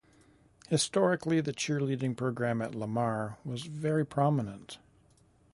Historically the cheerleading program at Lamar was very prominent.